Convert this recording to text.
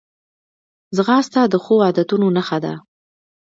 ځغاسته د ښو عادتونو نښه ده